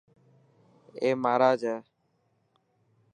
اي مهراج هي.